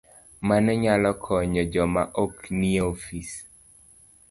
Mano nyalo konyo joma ok nie ofis